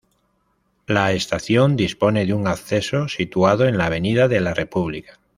La estación dispone de un acceso situado en la avenida de la República.